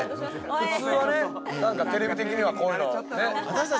普通はね、テレビ的にはこういうの。